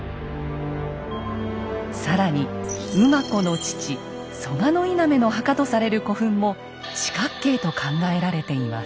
更に馬子の父蘇我稲目の墓とされる古墳も四角形と考えられています。